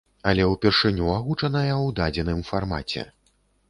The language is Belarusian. Але ўпершыню агучаная ў дадзеным фармаце.